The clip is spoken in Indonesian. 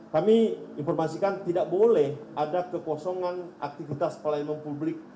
kami informasikan tidak boleh ada kekosongan aktivitas pelayanan publik